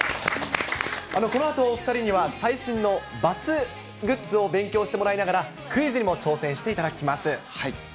このあと、お２人には最新のバスグッズを勉強してもらいながら、クイズにも挑戦していただきます。